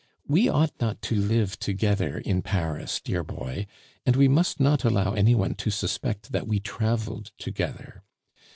We ought not to live together in Paris, dear boy, and we must not allow anyone to suspect that we traveled together.